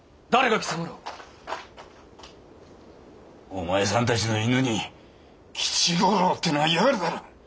お前さんたちの密偵に吉五郎ってのがいやがるだろ！